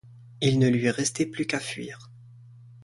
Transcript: Il ne lui restait plus qu’à fuir